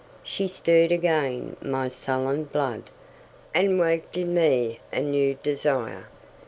She stirred again my sullen blood, And waked in me a new desire.